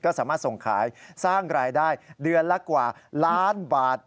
ก็สามารถส่งขายสร้างรายได้เดือนละกว่าล้านบาท